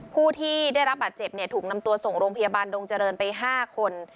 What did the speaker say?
ผู้ที่ได้รับบาดเจ็บถูกนำตัวส่งโรงพยาบาลดงเจริญไป๕คน